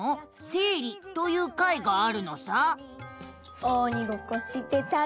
生理」という回があるのさ。